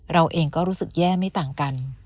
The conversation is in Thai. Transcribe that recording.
เราเองก็รู้สึกแย่ไม่ต่างกัน